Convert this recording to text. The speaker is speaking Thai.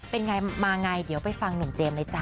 เป็นไงมาไงเดี๋ยวไปฟังหนุ่มเจมส์เลยจ้